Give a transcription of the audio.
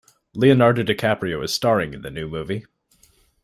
Leonardo DiCaprio is staring in the new movie.